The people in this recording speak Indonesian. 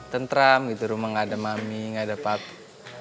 tenteram gitu rumah nggak ada mami nggak ada papi